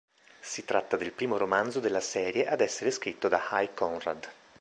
Si tratta del primo romanzo della serie ad essere scritto da Hy Conrad.